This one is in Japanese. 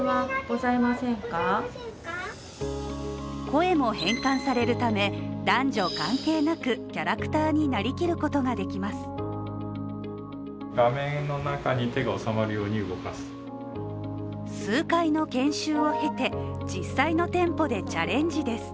声も変換されるため、男女関係なくキャラクターになりきることができます。